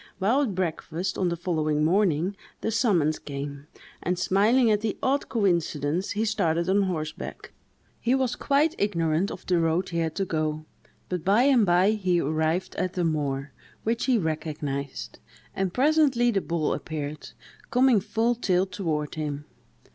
While at breakfast on the following morning, the summons came; and, smiling at the odd coincidence, he started on horseback. He was quite ignorant of the road he had to go; but by and by he arrived at the moor, which he recognised, and presently the bull appeared, coming full tilt toward him.